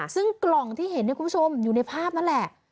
ซึ่งกล่องที่เห็นคุณผู้ชมอยู่ในภาพนั่นแหละ